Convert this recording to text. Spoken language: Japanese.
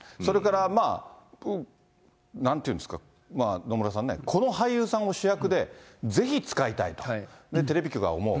なそれからまあ、なんていうんですか、野村さんね、この俳優さんを主役でぜひ使いたいと、テレビ局は思う。